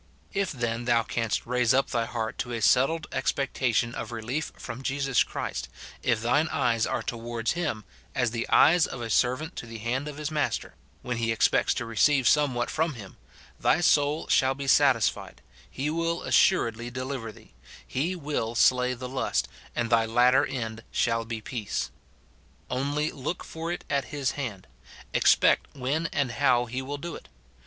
If, then, thou canst raise up thy heart to a settled expectation of relief from Jesus Christ, if thine eyes are towards him, "as the eyes of a servant to the hand of his master,"* when he expects to receive somewhat from him, — thy soul shall be satisfied, he will assuredly deliver thee ; he will slay the lust, and thy latter end shall be peace. Only look for it at his hand ; expect when and how he will do it.